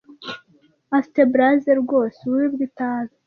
Afite blasé rwose ububi bwitabi.